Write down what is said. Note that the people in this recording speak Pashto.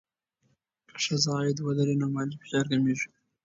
که ښځه عاید ولري، نو مالي فشار کمېږي.